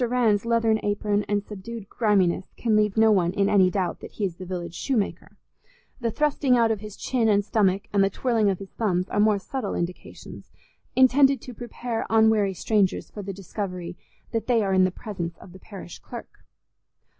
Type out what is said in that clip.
Rann's leathern apron and subdued griminess can leave no one in any doubt that he is the village shoemaker; the thrusting out of his chin and stomach and the twirling of his thumbs are more subtle indications, intended to prepare unwary strangers for the discovery that they are in the presence of the parish clerk.